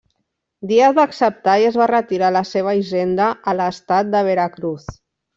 Díaz va acceptar i es va retirar a la seva hisenda a l'estat de Veracruz.